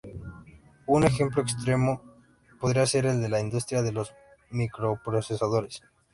Un ejemplo extremo, podría ser el de la industria de los microprocesadores.